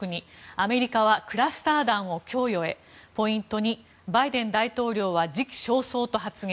アメリカはクラスター弾を供与へポイント２、バイデン大統領は時期尚早と発言。